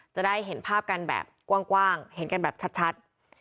จะได้เห็นภาพกันแบบกว้างเห็นกันแบบชัด